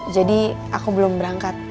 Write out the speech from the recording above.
jadi aku belum berangkat